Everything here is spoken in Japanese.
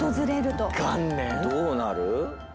どうなる？